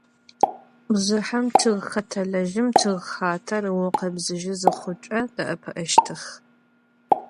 Bjjıhem ççıgxetelejım ççıgxater ıukhebzıjı zıxhuç'e, de'epı'eştıx.